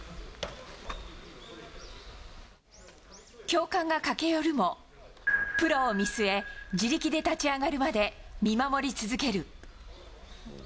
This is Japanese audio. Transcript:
教官が駆け寄るも、プロを見据え、自力で立ち上がるまで見守り続ける。